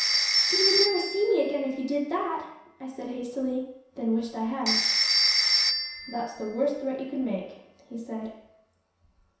"You would never see me again if you did that," I said hastily and then wished I hadn't. "That is the worst threat you could make," he said.